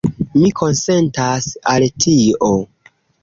Mi konsentas al tio.